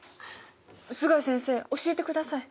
須貝先生教えてください。